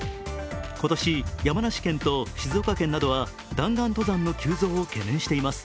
今年、山梨県と静岡県などは弾丸登山の急増を懸念しています。